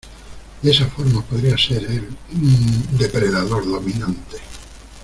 ¡ De esa forma podría ser el, uh , depredador dominante!